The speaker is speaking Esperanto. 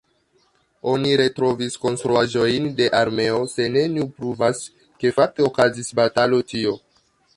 Oni retrovis konstruaĵojn de armeo, se neniu pruvas, ke fakte okazis batalo tio.